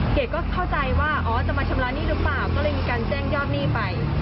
เกดก็เข้าใจว่าอ๋อจะมาชำระหนี้หรือเปล่าก็เลยมีการแจ้งยอดหนี้ไป